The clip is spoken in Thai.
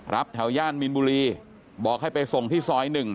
แถวย่านมีนบุรีบอกให้ไปส่งที่ซอย๑